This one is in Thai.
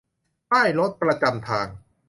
ป้ายรถประจำทาง